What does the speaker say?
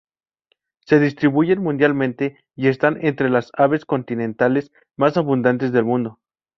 Se distribuyen mundialmente y están entre las aves continentales más abundantes del mundo.